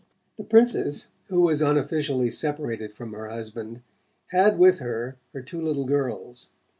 The Princess, who was unofficially separated from her husband, had with her her two little girls.